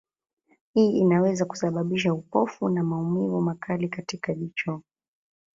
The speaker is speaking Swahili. Hii inaweza kusababisha upofu na maumivu makali katika jicho.